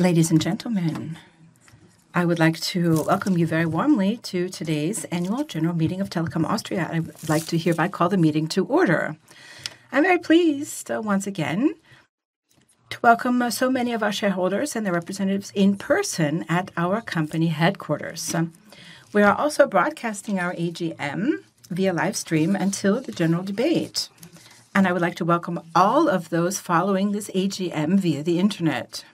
Ladies and gentlemen, I would like to welcome you very warmly to today's annual general meeting of Telekom Austria. I would like to hereby call the meeting to order. I am very pleased once again to welcome so many of our shareholders and their representatives in person at our company headquarters. We are also broadcasting our AGM via live stream until the general debate. I would like to welcome all of those following this AGM via the internet.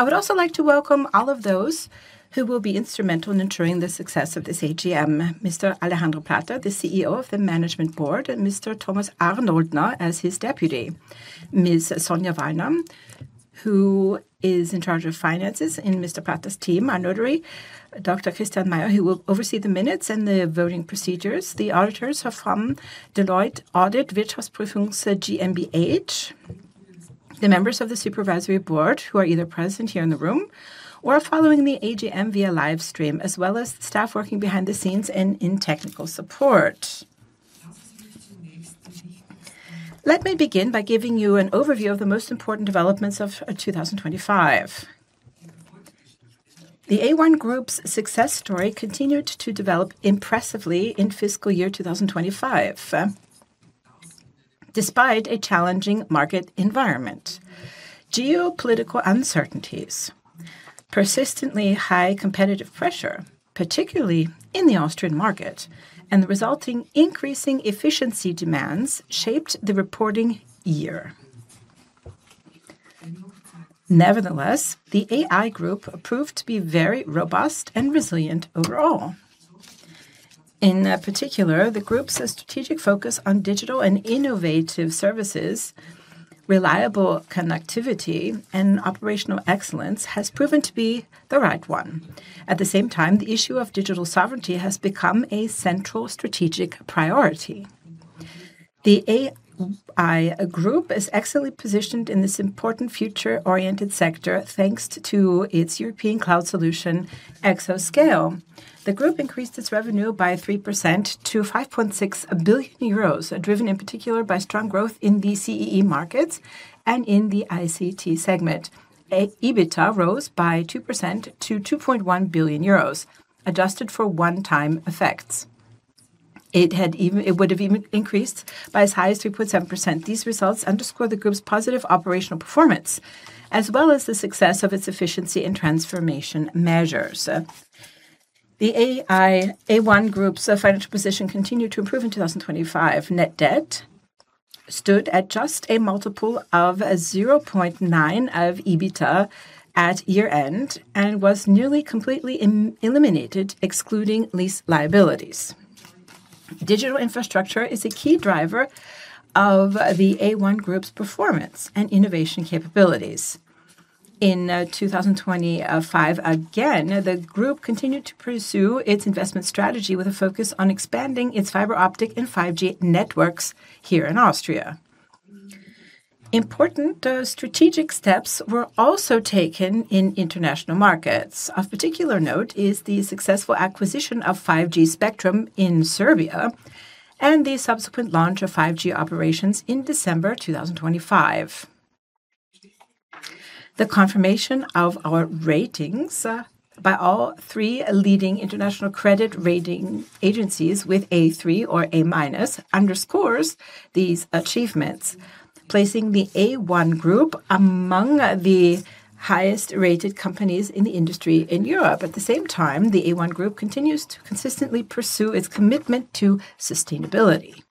I would also like to welcome all of those who will be instrumental in ensuring the success of this AGM. Mr. Alejandro Plater, the CEO of the management board, and Mr. Thomas Arnoldner as his deputy. Ms. Sonja Wallner, who is in charge of finances in Mr. Plater's team. Our notary, Dr. Christian Mayer, who will oversee the minutes and the voting procedures. The auditors are from Deloitte Audit Wirtschaftsprüfungs GmbH. The members of the supervisory board who are either present here in the room or following the AGM via live stream, as well as staff working behind the scenes and in technical support. Let me begin by giving you an overview of the most important developments of 2025. The A1 Group's success story continued to develop impressively in fiscal year 2025, despite a challenging market environment. Geopolitical uncertainties, persistently high competitive pressure, particularly in the Austrian market, and the resulting increasing efficiency demands shaped the reporting year. Nevertheless, the A1 Group proved to be very robust and resilient overall. In particular, the group's strategic focus on digital and innovative services, reliable connectivity, and operational excellence has proven to be the right one. At the same time, the issue of digital sovereignty has become a central strategic priority. The A1 Group is excellently positioned in this important future-oriented sector, thanks to its European cloud solution, Exoscale. The group increased its revenue by 3% to 5.6 billion euros, driven in particular by strong growth in the CEE markets and in the ICT segment. EBITDA rose by 2% to 2.1 billion euros. Adjusted for one-time effects, it would have increased by as high as 3.7%. These results underscore the group's positive operational performance, as well as the success of its efficiency and transformation measures. The A1 Group's financial position continued to improve in 2025. Net debt stood at just a multiple of 0.9x of EBITDA at year-end and was nearly completely eliminated, excluding lease liabilities. Digital infrastructure is a key driver of the A1 Group's performance and innovation capabilities. In 2025, again, the group continued to pursue its investment strategy with a focus on expanding its fiber optic and 5G networks here in Austria. Important strategic steps were also taken in international markets. Of particular note is the successful acquisition of 5G spectrum in Serbia and the subsequent launch of 5G operations in December 2025. The confirmation of our ratings by all three leading international credit rating agencies with A3 or A- underscores these achievements, placing the A1 Group among the highest-rated companies in the industry in Europe. At the same time, the A1 Group continues to consistently pursue its commitment to sustainability.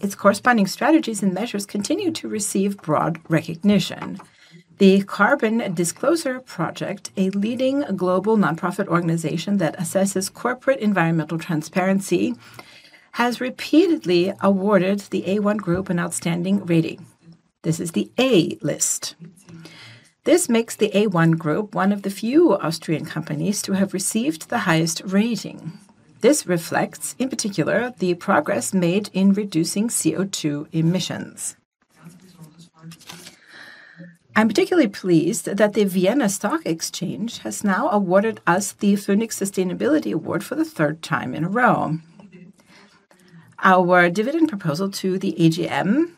Its corresponding strategies and measures continue to receive broad recognition. The Carbon Disclosure Project, a leading global nonprofit organization that assesses corporate environmental transparency, has repeatedly awarded the A1 Group an outstanding rating. This is the A list. This makes the A1 Group one of the few Austrian companies to have received the highest rating. This reflects, in particular, the progress made in reducing CO2 emissions. I am particularly pleased that the Vienna Stock Exchange has now awarded us the VÖNIX Sustainability Award for the third time in a row. Our dividend proposal to the AGM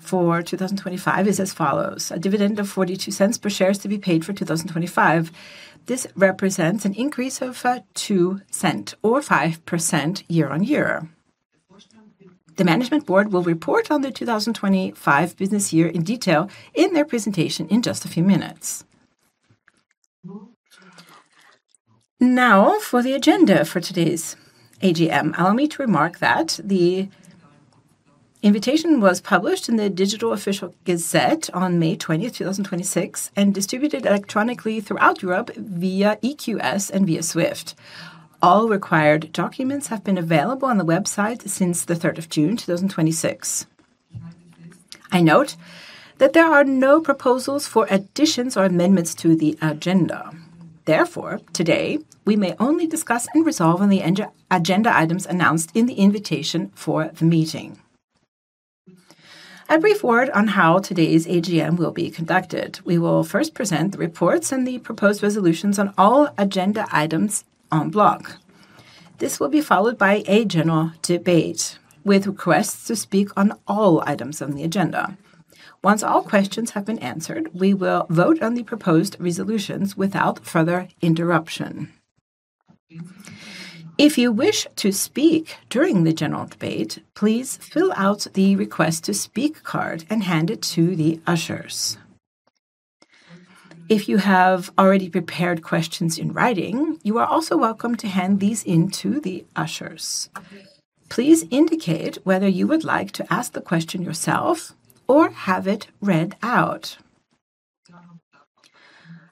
for 2025 is as follows. A dividend of 0.42 per share is to be paid for 2025. This represents an increase of 0.02, or 5% year-on-year. The management board will report on the 2025 business year in detail in their presentation in just a few minutes. Now, for the agenda for today's AGM. Allow me to remark that the invitation was published in the Digital Official Gazette on May 20, 2026 and distributed electronically throughout Europe via EQS and via SWIFT. All required documents have been available on the website since the 3rd of June 2026. I note that there are no proposals for additions or amendments to the agenda. Therefore, today, we may only discuss and resolve on the agenda items announced in the invitation for the meeting. A brief word on how today's AGM will be conducted. We will first present the reports and the proposed resolutions on all agenda items en bloc. This will be followed by a general debate with requests to speak on all items on the agenda. Once all questions have been answered, we will vote on the proposed resolutions without further interruption. If you wish to speak during the general debate, please fill out the request-to-speak card and hand it to the ushers. If you have already prepared questions in writing, you are also welcome to hand these into the ushers. Please indicate whether you would like to ask the question yourself or have it read out.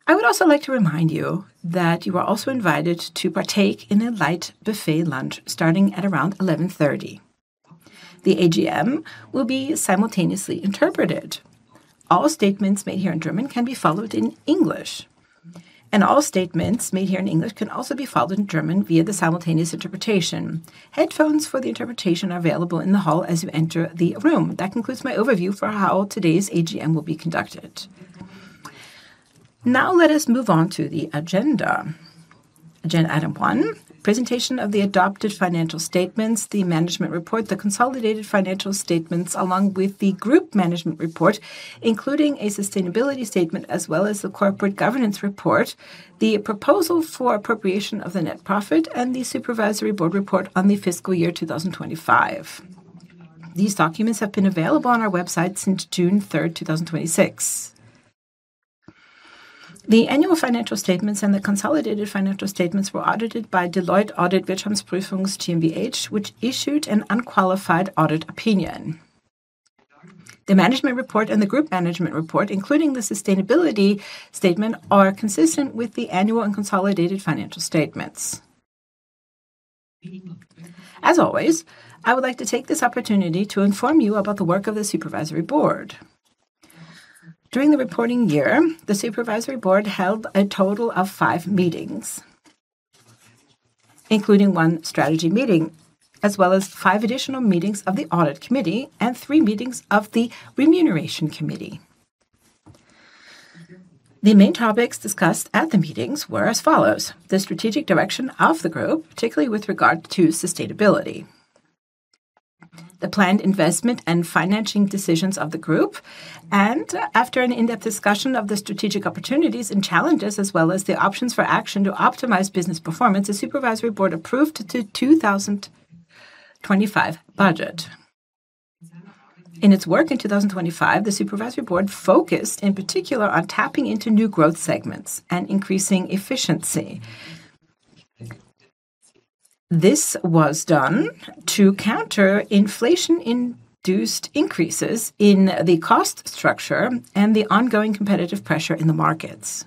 I would also like to remind you that you are also invited to partake in a light buffet lunch starting at around 11:30 A.M. The AGM will be simultaneously interpreted. All statements made here in German can be followed in English, and all statements made here in English can also be followed in German via the simultaneous interpretation. Headphones for the interpretation are available in the hall as you enter the room. That concludes my overview for how today's AGM will be conducted. Now let us move on to the agenda. Agenda item one, presentation of the adopted financial statements, the management report, the consolidated financial statements, along with the group management report, including a sustainability statement, as well as the corporate governance report, the proposal for appropriation of the net profit, and the supervisory board report on the fiscal year 2025. These documents have been available on our website since June 3rd, 2026. The annual financial statements and the consolidated financial statements were audited by Deloitte Audit Wirtschaftsprüfungs GmbH, which issued an unqualified audit opinion. The management report and the group management report, including the sustainability statement, are consistent with the annual and consolidated financial statements. As always, I would like to take this opportunity to inform you about the work of the supervisory board. During the reporting year, the Supervisory Board held a total of five meetings, including one strategy meeting, as well as five additional meetings of the Audit Committee and three meetings of the Remuneration Committee. The main topics discussed at the meetings were as follows: the strategic direction of the Group, particularly with regard to sustainability. The planned investment and financing decisions of the Group, and after an in-depth discussion of the strategic opportunities and challenges, as well as the options for action to optimize business performance, the Supervisory Board approved the 2025 budget. In its work in 2025, the Supervisory Board focused in particular on tapping into new growth segments and increasing efficiency. This was done to counter inflation-induced increases in the cost structure and the ongoing competitive pressure in the markets.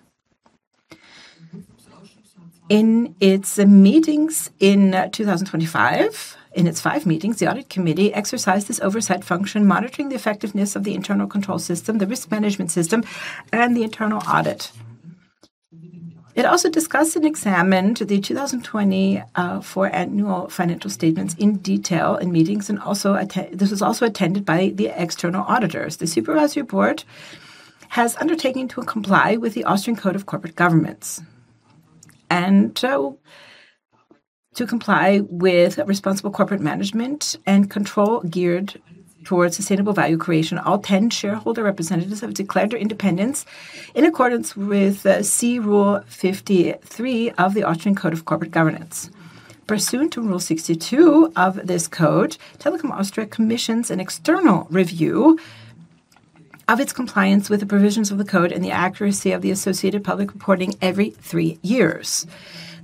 In its meetings in 2025, in its five meetings, the Audit Committee exercised its oversight function, monitoring the effectiveness of the internal control system, the risk management system, and the internal audit. It also discussed and examined the 2024 annual financial statements in detail in meetings, and this was also attended by the external auditors. The Supervisory Board has undertaken to comply with the Austrian Code of Corporate Governance. To comply with responsible corporate management and control geared towards sustainable value creation, all 10 shareholder representatives have declared their independence in accordance with C-Rule 53 of the Austrian Code of Corporate Governance. Pursuant to Rule 62 of this code, Telekom Austria commissions an external review of its compliance with the provisions of the code and the accuracy of the associated public reporting every three years.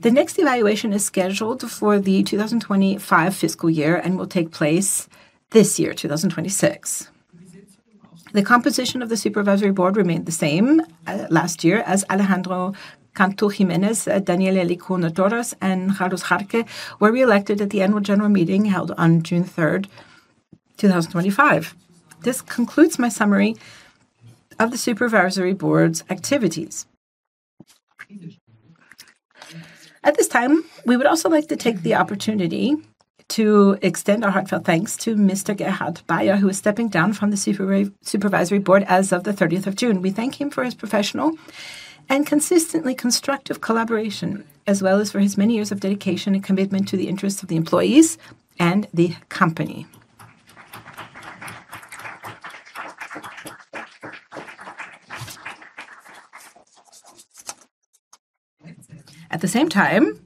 The next evaluation is scheduled for the 2025 fiscal year and will take place this year, 2026. The composition of the Supervisory Board remained the same last year as Alejandro Cantú Jiménez, Daniela Lecuona-Torras, and Carlos Jarque were reelected at the Annual General Meeting held on June 3rd, 2025. This concludes my summary of the Supervisory Board's activities. At this time, we would also like to take the opportunity to extend our heartfelt thanks to Mr. Gerhard Bayer, who is stepping down from the Supervisory Board as of the 30th of June. We thank him for his professional and consistently constructive collaboration, as well as for his many years of dedication and commitment to the interests of the employees and the company. At the same time,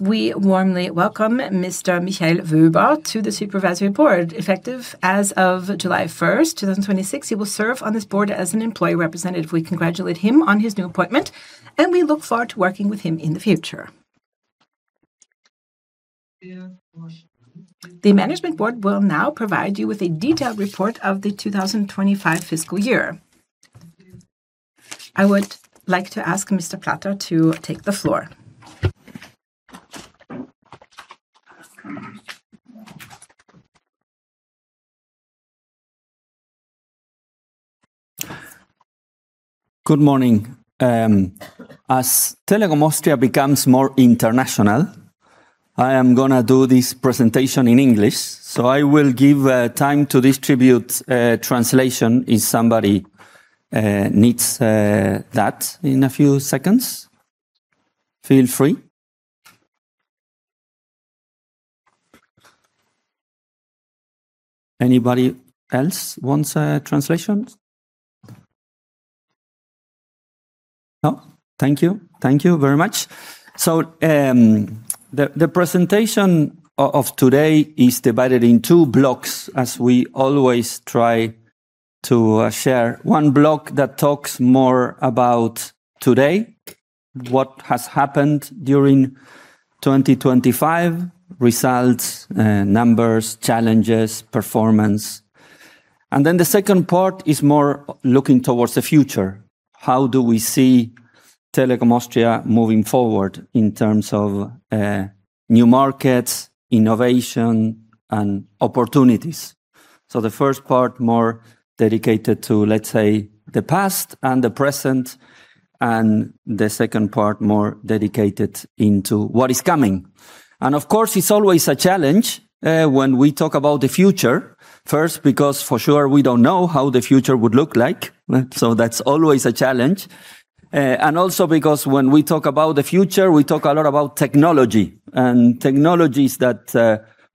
we warmly welcome Mr. Michael Wöber to the Supervisory Board, effective as of July 1st, 2026. He will serve on this board as an employee representative. We congratulate him on his new appointment and we look forward to working with him in the future. The Management Board will now provide you with a detailed report of the 2025 fiscal year. I would like to ask Mr. Plater to take the floor. Good morning. As Telekom Austria becomes more international, I am going to do this presentation in English. I will give time to distribute translation if somebody needs that in a few seconds. Feel free. Anybody else wants translations? No. Thank you. Thank you very much. The presentation of today is divided in two blocks, as we always try to share. One block that talks more about today, what has happened during 2025, results, numbers, challenges, performance. The second part is more looking towards the future. How do we see Telekom Austria moving forward in terms of new markets, innovation, and opportunities? The first part more dedicated to, let's say, the past and the present, the second part more dedicated into what is coming. Of course, it's always a challenge when we talk about the future. First, because for sure we don't know how the future would look like, that's always a challenge. Also because when we talk about the future, we talk a lot about technology and technologies that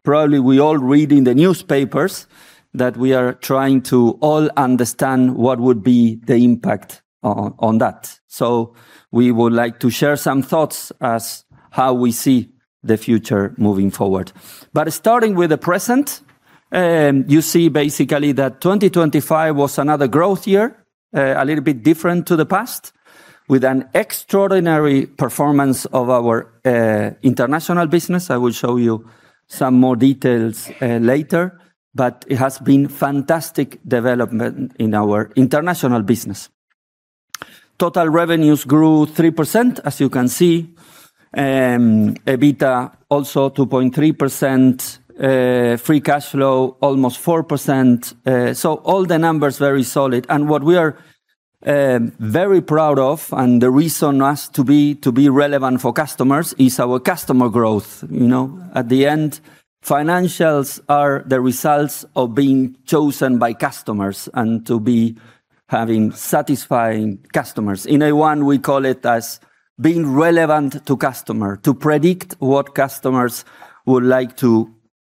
probably we all read in the newspapers, that we are trying to all understand what would be the impact on that. We would like to share some thoughts as how we see the future moving forward. Starting with the present, you see basically that 2025 was another growth year, a little bit different to the past, with an extraordinary performance of our international business. I will show you some more details later, but it has been fantastic development in our international business. Total revenues grew 3%, as you can see. EBITDA also 2.3%, free cash flow almost 4%. All the numbers very solid. What we are very proud of and the reason as to be relevant for customers is our customer growth. At the end, financials are the results of being chosen by customers and to be having satisfying customers. In A1, we call it as being relevant to customer, to predict what customers would like to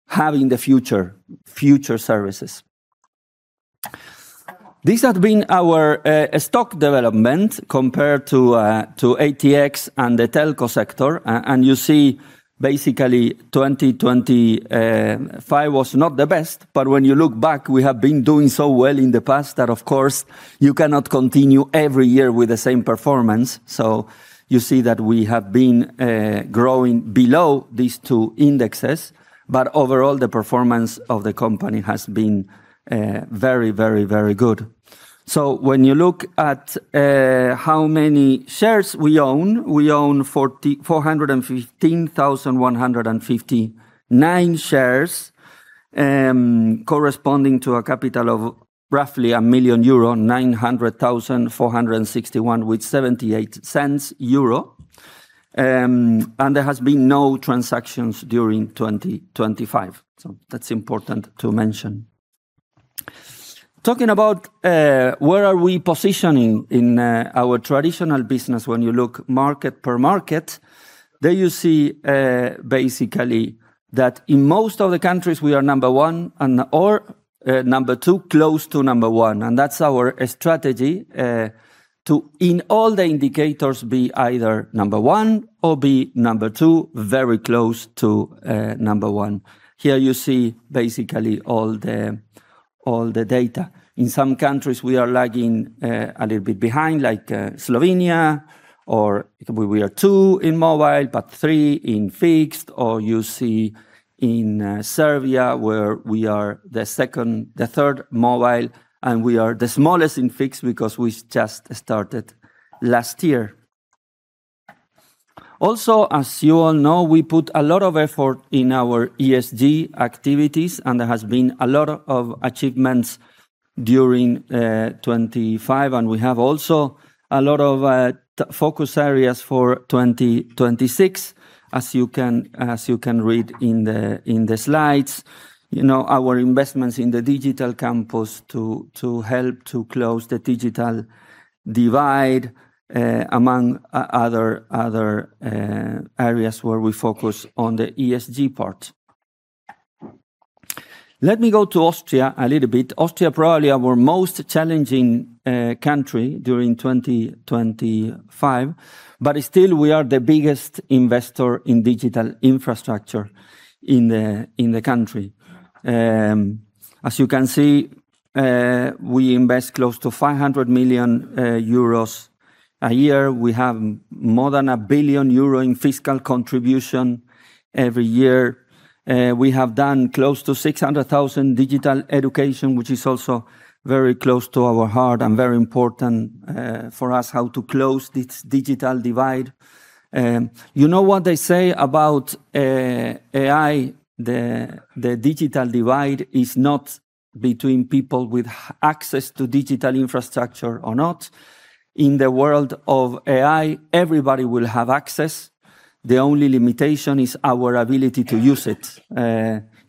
have in the future. Future services. This has been our stock development compared to ATX and the telco sector. You see basically 2025 was not the best, but when you look back, we have been doing so well in the past that of course you cannot continue every year with the same performance. You see that we have been growing below these two indexes. Overall, the performance of the company has been very good. When you look at how many shares we own, we own 415,159 shares, corresponding to a capital of roughly 1 million euro, 900,461.78 euro. There has been no transactions during 2025. That's important to mention. Talking about where are we positioning in our traditional business when you look market per market. You see basically that in most of the countries we are number one and or number two, close to number one. That's our strategy to, in all the indicators, be either number one or be number two, very close to number one. Here you see basically all the data. In some countries, we are lagging a little bit behind like Slovenia, or we are two in mobile, but three in fixed, or you see in Serbia where we are the third mobile, and we are the smallest in fixed because we just started last year. Also, as you all know, we put a lot of effort in our ESG activities and there has been a lot of achievements during 2025 and we have also a lot of focus areas for 2026 as you can read in the slides. Our investments in the digital campus to help to close the digital divide among other areas where we focus on the ESG part. Let me go to Austria a little bit. Austria probably our most challenging country during 2025. Still we are the biggest investor in digital infrastructure in the country. As you can see, we invest close to 500 million euros a year. We have more than 1 billion euro in fiscal contribution every year. We have done close to 600,000 digital education, which is also very close to our heart and very important for us how to close this digital divide. You know what they say about AI? The digital divide is not between people with access to digital infrastructure or not. In the world of AI, everybody will have access. The only limitation is our ability to use it.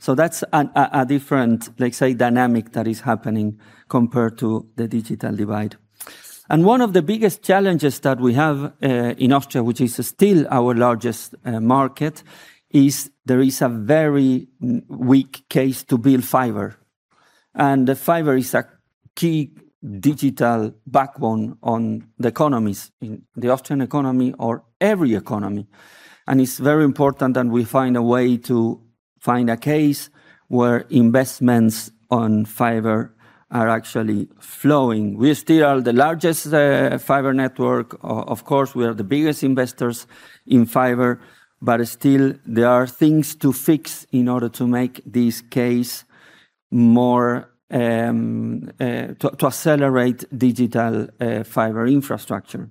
That's a different, let's say, dynamic that is happening compared to the digital divide. One of the biggest challenges that we have in Austria, which is still our largest market, is there is a very weak case to build fiber. The fiber is a key digital backbone on the economies, in the Austrian economy or every economy. It's very important that we find a way to find a case where investments on fiber are actually flowing. We still are the largest fiber network. Of course, we are the biggest investors in fiber, but still there are things to fix in order to accelerate digital fiber infrastructure.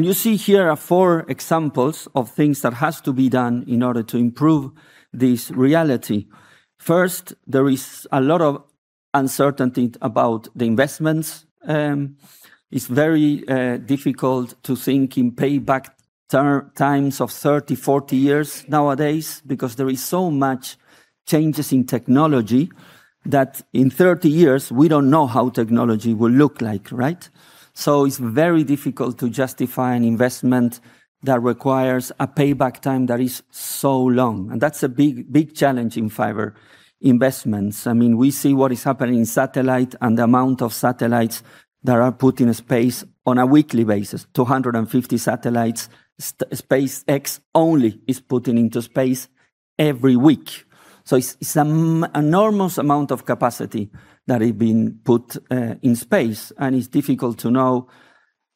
You see here are four examples of things that has to be done in order to improve this reality. First, there is a lot of uncertainty about the investments. It's very difficult to think in payback times of 30, 40 years nowadays because there is so much changes in technology that in 30 years we don't know how technology will look like, right? It's very difficult to justify an investment that requires a payback time that is so long, and that's a big challenge in fiber investments. We see what is happening in satellite and the amount of satellites that are put in space on a weekly basis, 250 satellites SpaceX only is putting into space every week. It's an enormous amount of capacity that has been put in space, and it's difficult to know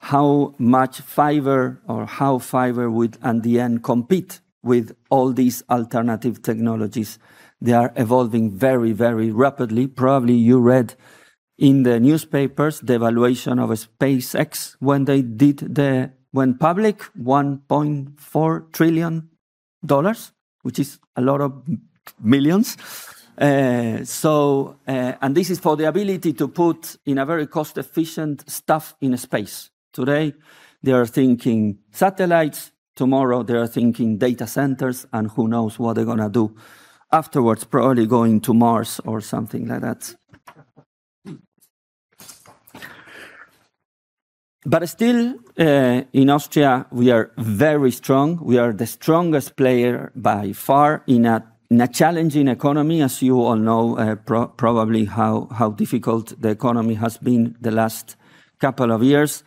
how much fiber or how fiber would in the end compete with all these alternative technologies. They are evolving very rapidly. Probably you read in the newspapers the valuation of SpaceX when they went public, $1.4 trillion, which is a lot of millions. This is for the ability to put in a very cost-efficient stuff in space. Today they are thinking satellites, tomorrow they are thinking data centers and who knows what they're going to do afterwards, probably going to Mars or something like that. Still in Austria we are very strong. We are the strongest player by far in a challenging economy, as you all know probably how difficult the economy has been the last couple of years.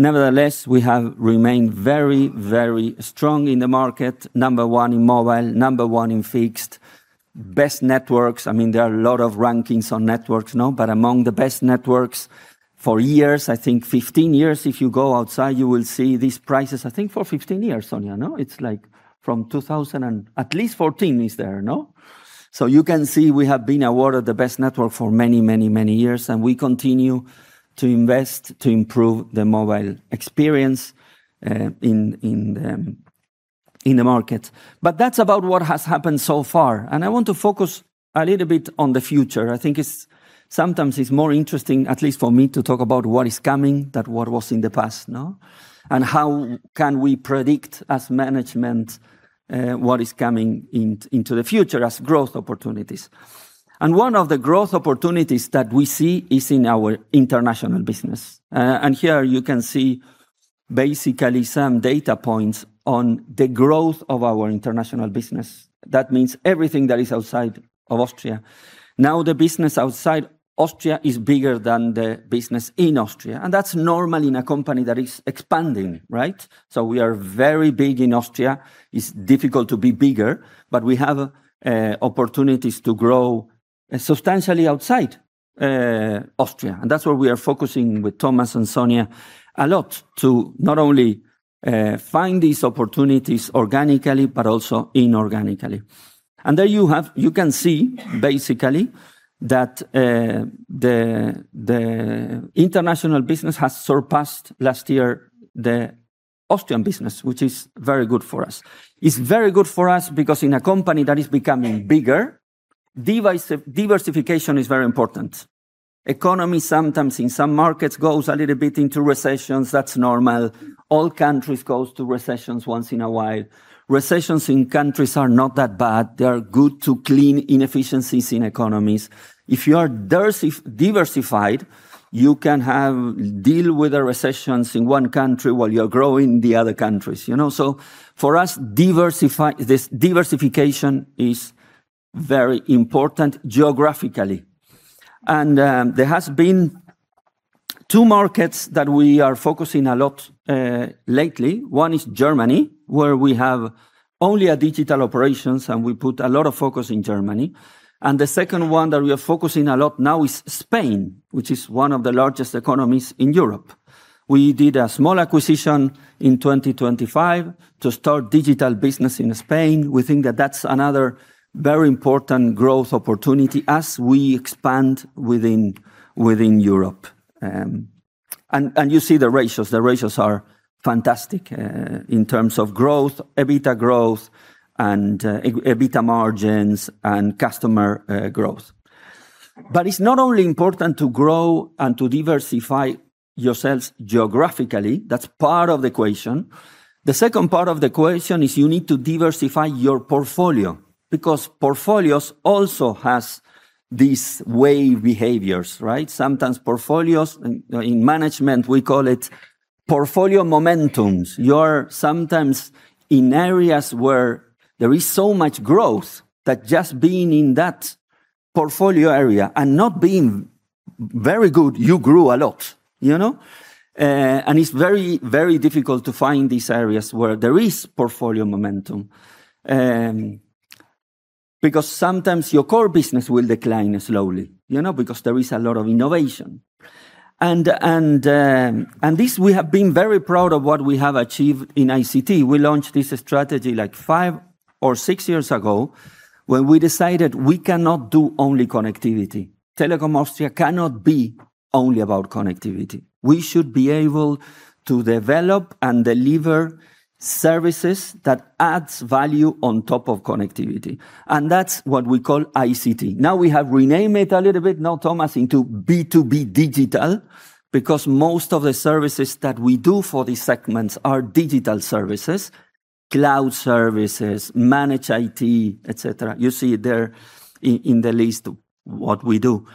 Nevertheless, we have remained very strong in the market. Number one in mobile, number one in fixed. Best networks. There are a lot of rankings on networks now, among the best networks for years, I think 15 years, if you go outside, you will see these prices. I think for 15 years, Sonja, no? It's like from 2000 and at least 2014 is there, no? You can see we have been awarded the best network for many years, and we continue to invest to improve the mobile experience in the market. That's about what has happened so far, and I want to focus a little bit on the future. I think sometimes it's more interesting, at least for me, to talk about what is coming than what was in the past, no? How can we predict as management what is coming into the future as growth opportunities. One of the growth opportunities that we see is in our international business. Here you can see basically some data points on the growth of our international business. That means everything that is outside of Austria. Now the business outside Austria is bigger than the business in Austria, and that's normal in a company that is expanding, right? We are very big in Austria. It's difficult to be bigger, we have opportunities to grow substantially outside Austria, and that's where we are focusing with Thomas and Sonja a lot to not only find these opportunities organically but also inorganically. There you can see basically that the international business has surpassed last year the Austrian business, which is very good for us. It's very good for us because in a company that is becoming bigger, diversification is very important. Economy sometimes in some markets goes a little bit into recessions. That's normal. All countries goes to recessions once in a while. Recessions in countries are not that bad. They are good to clean inefficiencies in economies. If you are diversified, you can deal with the recessions in one country while you are growing the other countries. For us, diversification is very important geographically. There has been two markets that we are focusing a lot lately. One is Germany, where we have only a digital operations, and we put a lot of focus in Germany. The second one that we are focusing a lot now is Spain, which is one of the largest economies in Europe. We did a small acquisition in 2025 to start digital business in Spain. We think that that's another very important growth opportunity as we expand within Europe. You see the ratios. The ratios are fantastic in terms of growth, EBITDA growth and EBITDA margins and customer growth. It's not only important to grow and to diversify yourselves geographically. That's part of the equation. The second part of the equation is you need to diversify your portfolio because portfolios also have these wave behaviors. Sometimes portfolios, in management, we call it portfolio momentums. You're sometimes in areas where there is so much growth that just being in that portfolio area and not being very good, you grew a lot. It's very difficult to find these areas where there is portfolio momentum because sometimes your core business will decline slowly because there is a lot of innovation. This, we have been very proud of what we have achieved in ICT. We launched this strategy five or six years ago when we decided we cannot do only connectivity. Telekom Austria cannot be only about connectivity. We should be able to develop and deliver services that adds value on top of connectivity, and that's what we call ICT. Now we have renamed it a little bit now, Thomas, into B2B Digital because most of the services that we do for these segments are digital services, cloud services, managed IT, et cetera. You see there in the list what we do.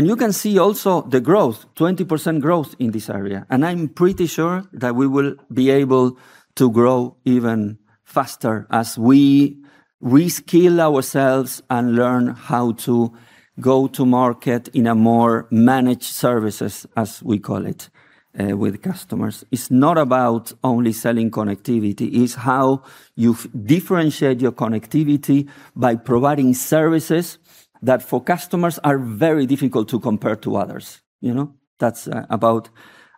You can see also the growth, 20% growth in this area. I'm pretty sure that we will be able to grow even faster as we reskill ourselves and learn how to go to market in a more managed services, as we call it, with customers. It's not about only selling connectivity. It's how you differentiate your connectivity by providing services that for customers are very difficult to compare to others. That's about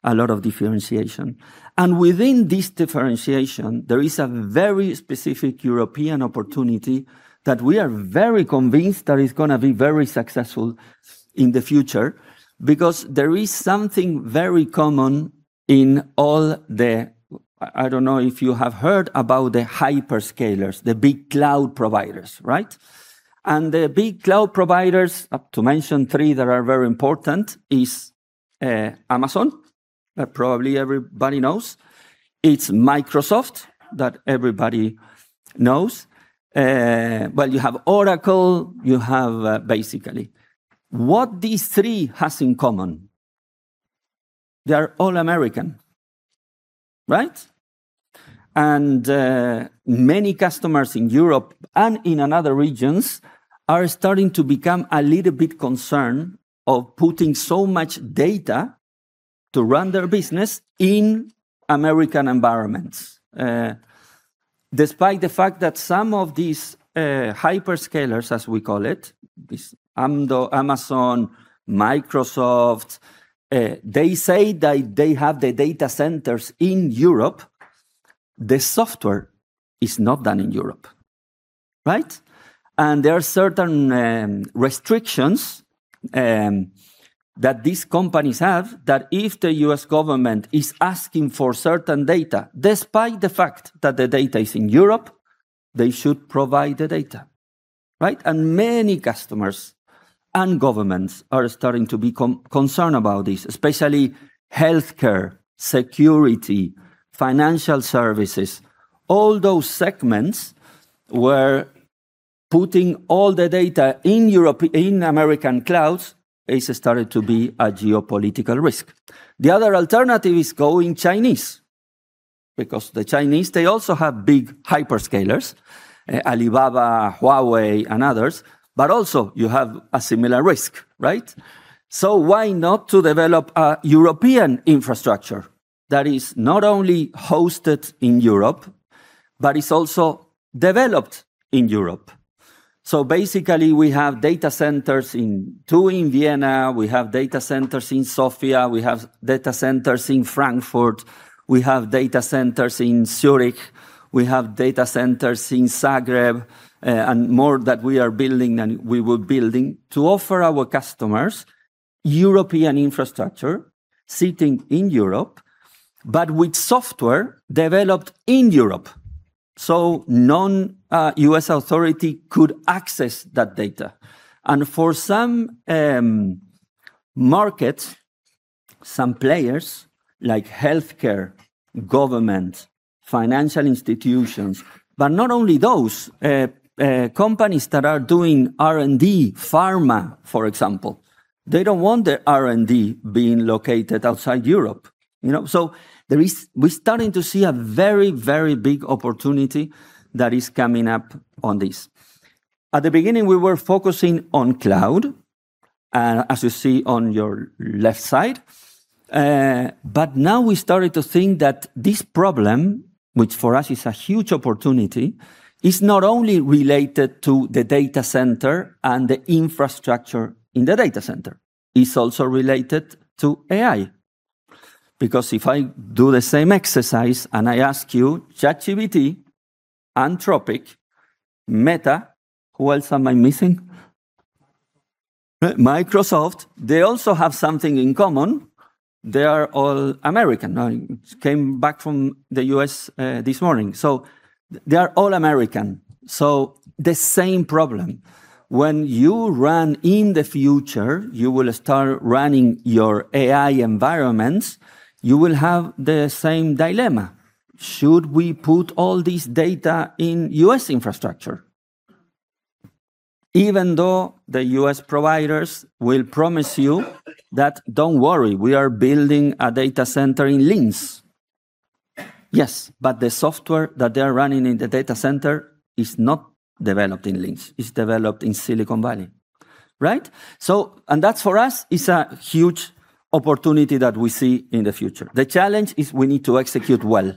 a lot of differentiation. Within this differentiation, there is a very specific European opportunity that we are very convinced that is going to be very successful in the future because there is something very common in all the, I don't know if you have heard about the hyperscalers, the big cloud providers. The big cloud providers, to mention three that are very important is Amazon, that probably everybody knows. It's Microsoft that everybody knows. But you have Oracle. What these three has in common? They're all American. Many customers in Europe and in another regions are starting to become a little bit concerned of putting so much data to run their business in American environments. Despite the fact that some of these hyperscalers, as we call it, Amazon, Microsoft, they say that they have the data centers in Europe. The software is not done in Europe. There are certain restrictions that these companies have that if the U.S. government is asking for certain data, despite the fact that the data is in Europe, they should provide the data. Many customers and governments are starting to be concerned about this, especially healthcare, security, financial services. All those segments where putting all the data in American clouds has started to be a geopolitical risk. The other alternative is going Chinese because the Chinese, they also have big hyperscalers, Alibaba, Huawei, and others, but also you have a similar risk. Why not to develop a European infrastructure that is not only hosted in Europe but is also developed in Europe? Basically, we have data centers, two in Vienna. We have data centers in Sofia. We have data centers in Frankfurt. We have data centers in Zurich. We have data centers in Zagreb and more that we are building and we will build to offer our customers European infrastructure sitting in Europe but with software developed in Europe. So no U.S. authority could access that data. For some markets, some players like healthcare, government, financial institutions, but not only those. Companies that are doing R&D, pharma, for example. They don't want their R&D being located outside Europe. We're starting to see a very big opportunity that is coming up on this. At the beginning, we were focusing on cloud as you see on your left side. Now we started to think that this problem, which for us is a huge opportunity, is not only related to the data center and the infrastructure in the data center. It's also related to AI because if I do the same exercise and I ask you ChatGPT, Anthropic, Meta. Who else am I missing? Microsoft. They also have something in common. They are all American. I came back from the U.S. this morning. They are all American. The same problem. When you run in the future, you will start running your AI environments, you will have the same dilemma. Should we put all this data in U.S. infrastructure? Even though the U.S. providers will promise you that, "Don't worry, we are building a data center in Linz." Yes, but the software that they're running in the data center is not developed in Linz, it's developed in Silicon Valley. Right? That for us is a huge opportunity that we see in the future. The challenge is we need to execute well.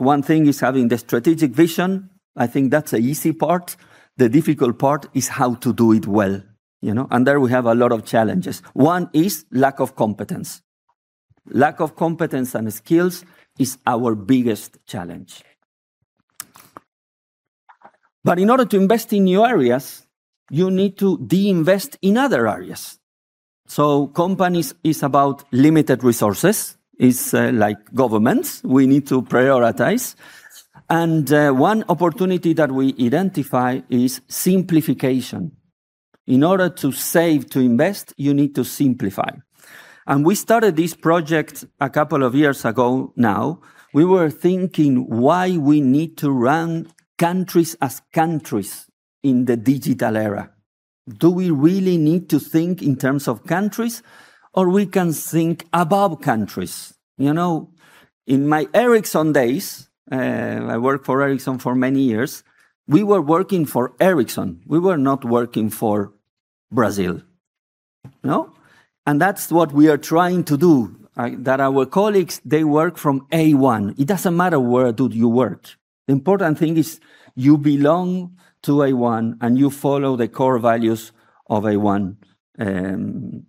One thing is having the strategic vision. I think that's the easy part. The difficult part is how to do it well. There we have a lot of challenges. One is lack of competence. Lack of competence and skills is our biggest challenge. In order to invest in new areas, you need to de-invest in other areas. Companies, it's about limited resources. It's like governments. We need to prioritize. One opportunity that we identify is simplification. In order to save, to invest, you need to simplify. We started this project a couple of years ago now. We were thinking why we need to run countries as countries in the digital era. Do we really need to think in terms of countries, or we can think above countries? In my Ericsson days, I worked for Ericsson for many years, we were working for Ericsson. We were not working for Brazil. No? That's what we are trying to do. That our colleagues, they work from A1. It doesn't matter where do you work. The important thing is you belong to A1, and you follow the core values of A1 that we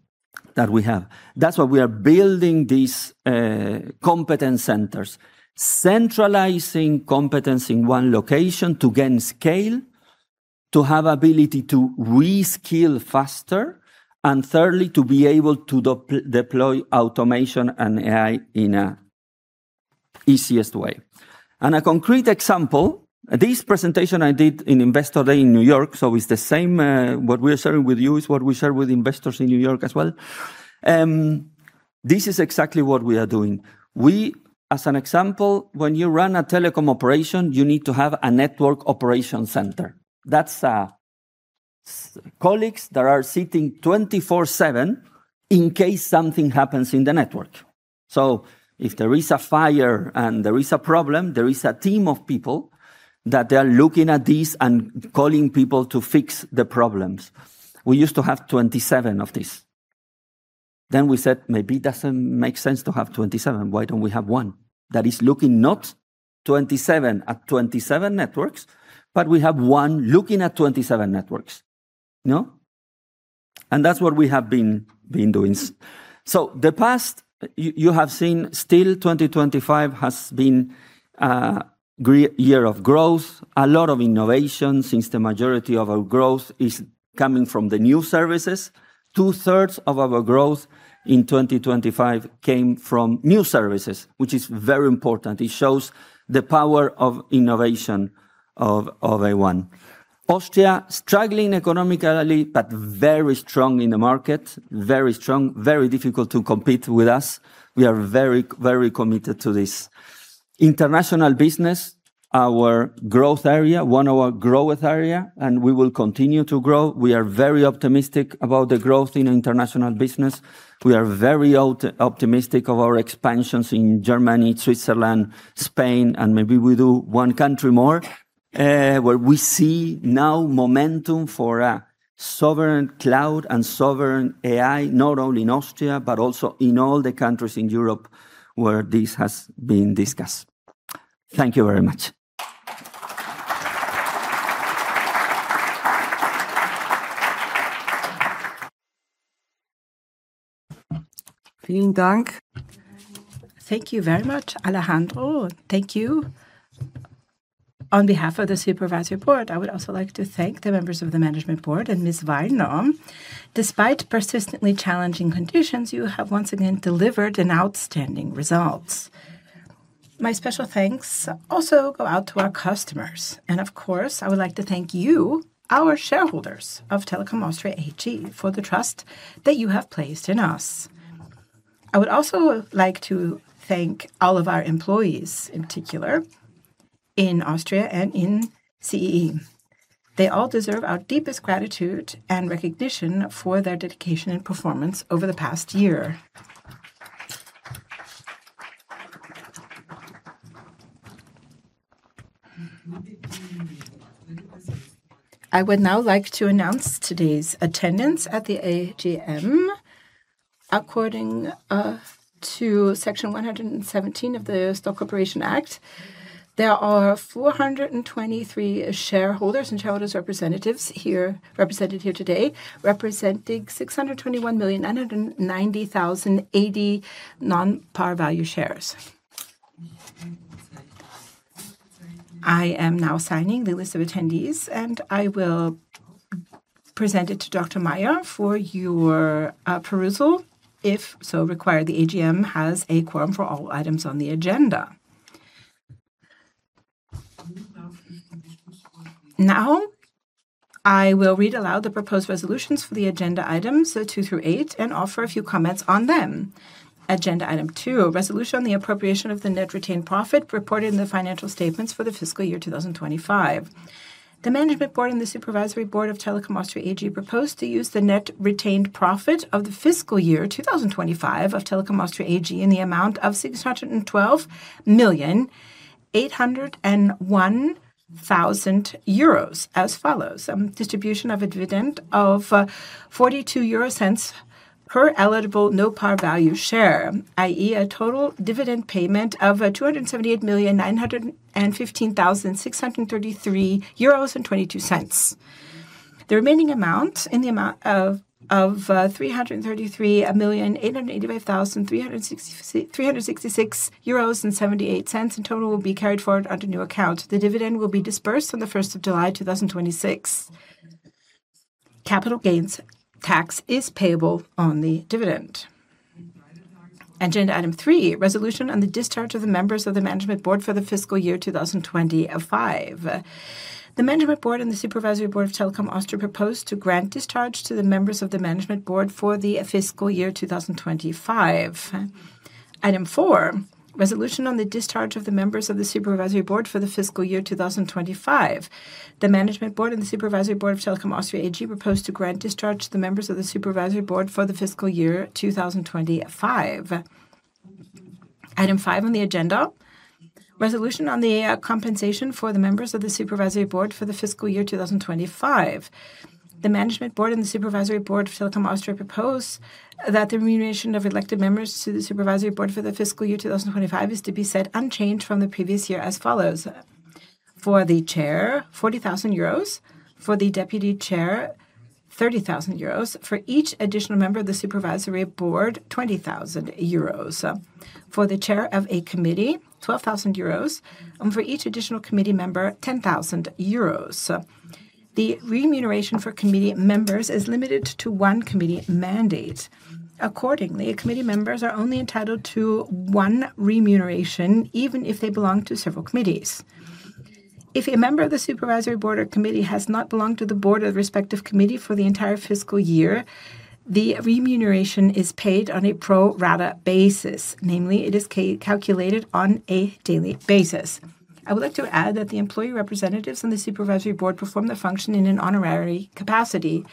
have. That's why we are building these competence centers, centralizing competence in one location to gain scale, to have ability to re-skill faster, and thirdly, to be able to deploy automation and AI in an easiest way. A concrete example, this presentation I did in Investor Day in New York, so it's the same, what we are sharing with you is what we shared with investors in New York as well. This is exactly what we are doing. We, as an example, when you run a telecom operation, you need to have a network operation center. That's colleagues that are sitting 24/7 in case something happens in the network. If there is a fire and there is a problem, there is a team of people that they are looking at this and calling people to fix the problems. We used to have 27 of these. We said, maybe it doesn't make sense to have 27. Why don't we have one that is looking not 27 at 27 networks, but we have one looking at 27 networks. No. That's what we have been doing. The past, you have seen still 2025 has been a year of growth. A lot of innovation since the majority of our growth is coming from the new services. Two-thirds of our growth in 2025 came from new services, which is very important. It shows the power of innovation of A1. Austria, struggling economically, but very strong in the market. Very strong, very difficult to compete with us. We are very committed to this. International business, our growth area, one of our growth area, we will continue to grow. We are very optimistic about the growth in international business. We are very optimistic of our expansions in Germany, Switzerland, Spain, and maybe we do one country more. Where we see now momentum for a sovereign cloud and sovereign AI, not only in Austria, but also in all the countries in Europe where this has been discussed. Thank you very much. Thank you very much, Alejandro. Thank you. On behalf of the Supervisory Board, I would also like to thank the members of the Management Board and Ms. Wallner. Despite persistently challenging conditions, you have once again delivered an outstanding result. My special thanks also go out to our customers. Of course, I would like to thank you, our shareholders of Telekom Austria AG, for the trust that you have placed in us. I would also like to thank all of our employees, in particular in Austria and in CEE. They all deserve our deepest gratitude and recognition for their dedication and performance over the past year. I would now like to announce today's attendance at the AGM. According to Section 117 of the Stock Corporation Act, there are 423 shareholders and shareholders' representatives represented here today, representing 621,990,080 non-par value shares. I am now signing the list of attendees, I will present it to Dr. Mayer for your perusal. If so required, the AGM has a quorum for all items on the agenda. I will read aloud the proposed resolutions for the agenda items, two through eight, and offer a few comments on them. Agenda item two, resolution on the appropriation of the net retained profit reported in the financial statements for the fiscal year 2025. The management board and the supervisory board of Telekom Austria AG propose to use the net retained profit of the fiscal year 2025 of Telekom Austria AG in the amount of EUR 612,801,000 as follows: distribution of a dividend of 0.42 per eligible no par value share, i.e., a total dividend payment of 278,915,633.22 euros. The remaining amount, in the amount of 333,885,366.78 euros in total, will be carried forward under new account. The dividend will be dispersed on the 1st of July 2026. Capital gains tax is payable on the dividend. Agenda item three, resolution on the discharge of the members of the management board for the fiscal year 2025. The management board and the supervisory board of Telekom Austria propose to grant discharge to the members of the management board for the fiscal year 2025. Item four, resolution on the discharge of the members of the supervisory board for the fiscal year 2025. The management board and the supervisory board of Telekom Austria AG propose to grant discharge to the members of the supervisory board for the fiscal year 2025. Item five on the agenda, resolution on the compensation for the members of the supervisory board for the fiscal year 2025. The management board and the supervisory board for Telekom Austria propose that the remuneration of elected members to the supervisory board for the fiscal year 2025 is to be set unchanged from the previous year as follows: for the chair, 40,000 euros, for the deputy chair, 30,000 euros, for each additional member of the supervisory board, 20,000 euros, for the chair of a committee, 12,000 euros, and for each additional committee member, 10,000 euros. The remuneration for committee members is limited to one committee mandate. Accordingly, committee members are only entitled to one remuneration, even if they belong to several committees. If a member of the supervisory board or committee has not belonged to the board or respective committee for the entire fiscal year, the remuneration is paid on a pro rata basis. Namely, it is calculated on a daily basis. I would like to add that the employee representatives on the supervisory board perform their function in an honorary capacity.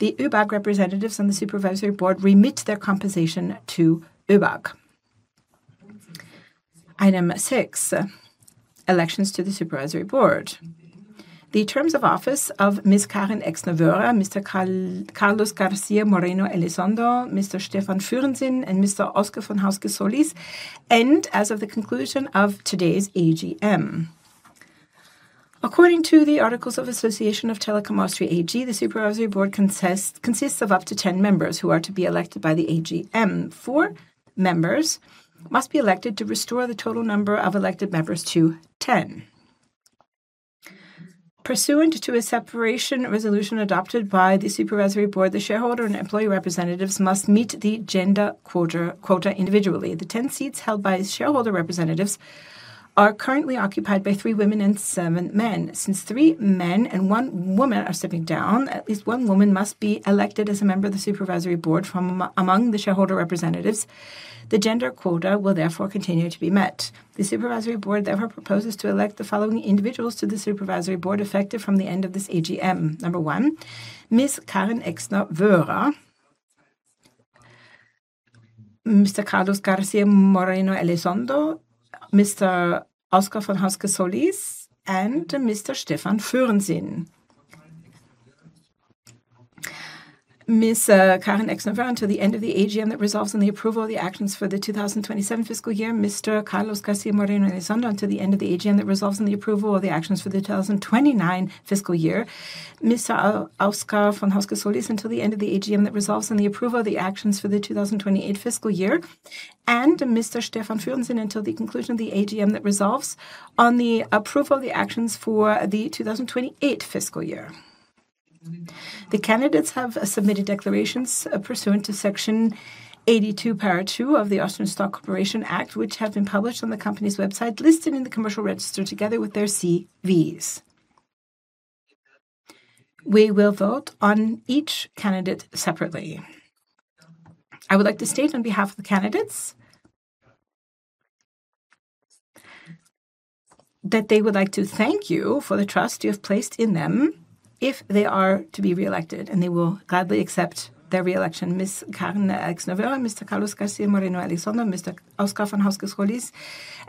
The ÖBAG representatives on the supervisory board remit their compensation to ÖBAG. Item six, elections to the supervisory board. The terms of office of Ms. Karin Exner-Wöhrer, Mr. Carlos García Moreno Elizondo, Mr. Stefan Fürnsinn, and Mr. Oscar von Hauske Solís end as of the conclusion of today's AGM. According to the articles of association of Telekom Austria AG, the supervisory board consists of up to 10 members who are to be elected by the AGM. Four members must be elected to restore the total number of elected members to 10. Pursuant to a separation resolution adopted by the supervisory board, the shareholder and employee representatives must meet the gender quota individually. The 10 seats held by shareholder representatives are currently occupied by three women and seven men. Since three men and one woman are stepping down, at least one woman must be elected as a member of the supervisory board from among the shareholder representatives. The gender quota will therefore continue to be met. The supervisory board therefore proposes to elect the following individuals to the supervisory board effective from the end of this AGM. Number one, Ms. Karin Exner-Wöhrer, Mr. Carlos García Moreno Elizondo, Mr. Oscar von Hauske Solís, and Mr. Stefan Fürnsinn. Ms. Karin Exner-Wöhrer until the end of the AGM that resolves on the approval of the actions for the 2027 fiscal year, Mr. Carlos García Moreno Elizondo until the end of the AGM that resolves on the approval of the actions for the 2029 fiscal year, Mr. Oscar von Hauske Solís until the end of the AGM that resolves on the approval of the actions for the 2028 fiscal year, and Mr. Stefan Fürnsinn until the conclusion of the AGM that resolves on the approval of the actions for the 2028 fiscal year. The candidates have submitted declarations pursuant to Section 82, Paragraph 2 of the Austrian Stock Corporation Act, which have been published on the company's website, listed in the commercial register together with their CVs. We will vote on each candidate separately. I would like to state on behalf of the candidates that they would like to thank you for the trust you have placed in them if they are to be reelected, and they will gladly accept their reelection. Ms. Karin Exner-Wöhrer, Mr. Carlos García Moreno Elizondo, Mr. Oscar von Hauske Solís,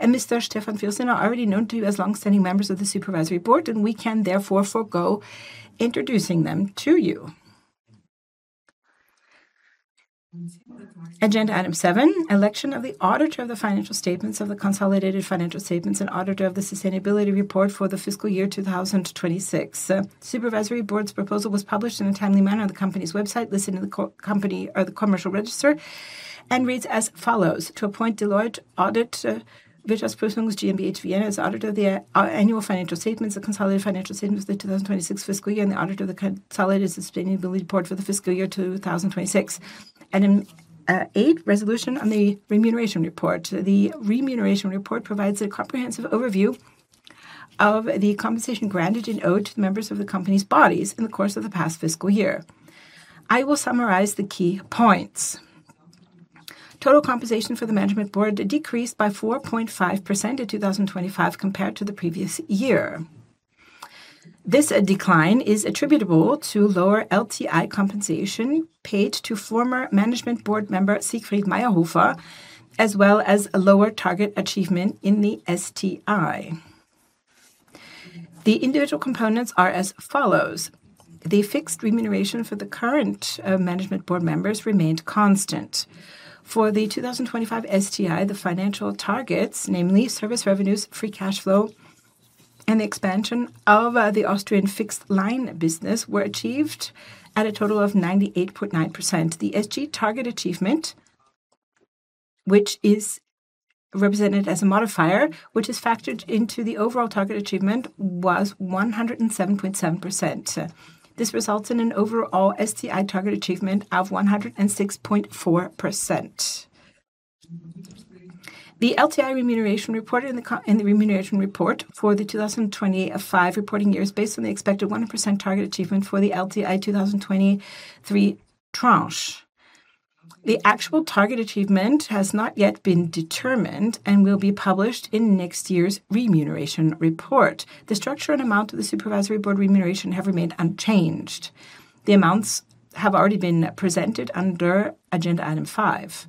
and Mr. Stefan Fürnsinn are already known to you as longstanding members of the supervisory board, and we can therefore forgo introducing them to you. Agenda item seven, election of the auditor of the financial statements of the consolidated financial statements and auditor of the sustainability report for the fiscal year 2026. Supervisory Board's proposal was published in a timely manner on the company's website listed in the commercial register and reads as follows: To appoint Deloitte Audit Wirtschaftsprüfungs GmbH as auditor of the annual financial statements and consolidated financial statements of the 2026 fiscal year, and the auditor of the consolidated sustainability report for the fiscal year 2026. In eight, resolution on the remuneration report. The remuneration report provides a comprehensive overview of the compensation granted and owed to the members of the company's bodies in the course of the past fiscal year. I will summarize the key points. Total compensation for the management board decreased by 4.5% in 2025 compared to the previous year. This decline is attributable to lower LTI compensation paid to former management board member Siegfried Mayrhofer, as well as a lower target achievement in the STI. The individual components are as follows. The fixed remuneration for the current management board members remained constant. For the 2025 STI, the financial targets, namely service revenues, free cash flow, and expansion of the Austrian fixed line business, were achieved at a total of 98.9%. The ESG target achievement, which is represented as a modifier, which is factored into the overall target achievement, was 107.7%. This results in an overall STI target achievement of 106.4%. The LTI remuneration reported in the remuneration report for the 2025 reporting year is based on the expected 1% target achievement for the LTI 2023 tranche. The actual target achievement has not yet been determined and will be published in next year's remuneration report. The structure and amount of the supervisory board remuneration have remained unchanged. The amounts have already been presented under agenda item five.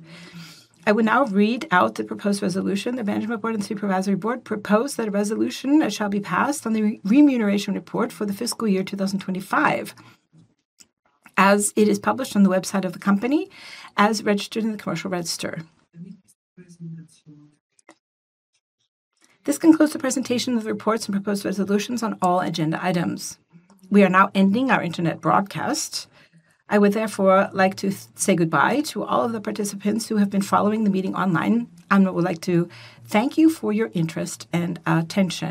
I will now read out the proposed resolution. The management board and supervisory board propose that a resolution shall be passed on the remuneration report for the fiscal year 2025 as it is published on the website of the company as registered in the commercial register. This concludes the presentation of the reports and proposed resolutions on all agenda items. We are now ending our internet broadcast. I would therefore like to say goodbye to all of the participants who have been following the meeting online, and I would like to thank you for your interest and attention.